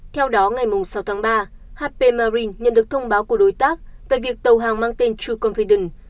theo đó ngày sáu tháng ba hp marin nhận được thông báo của đối tác về việc tàu hàng mang tên true confidence